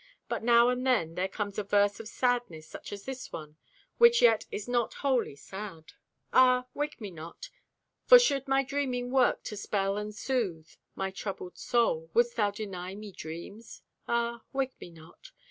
But now and then there comes a verse of sadness such as this one, which yet is not wholly sad: Ah, wake me not! For should my dreaming work a spell to soothe My troubled soul, wouldst thou deny me dreams? Ah, wake me not!